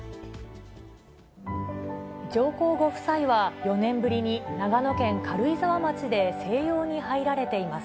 上皇ご夫妻は４年ぶりに長野県軽井沢町で静養に入られています。